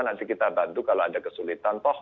nanti kita bantu kalau ada kesulitan